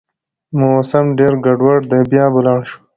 موسم ډېر ګډوډ دی، بيا به لاړ شو